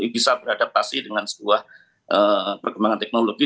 bisa beradaptasi dengan sebuah perkembangan teknologi